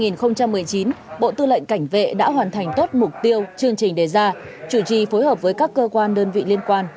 năm hai nghìn một mươi chín bộ tư lệnh cảnh vệ đã hoàn thành tốt mục tiêu chương trình đề ra chủ trì phối hợp với các cơ quan đơn vị liên quan